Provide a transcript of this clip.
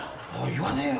言わねえよ